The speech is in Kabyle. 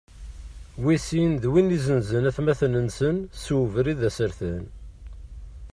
Wis sin, d wid izenzen atmaten-nsen s ubrid asertan.